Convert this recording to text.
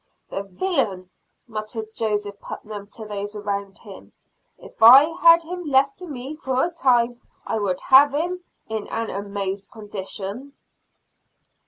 "The villain!" muttered Joseph Putnam to those around him, "if I had him left to me for a time, I would have him in an amazed condition!"